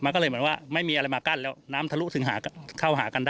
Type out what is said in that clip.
ไหนมันขึ้น